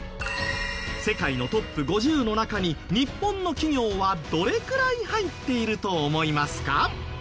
世界のトップ５０の中に日本の企業はどれくらい入っていると思いますか？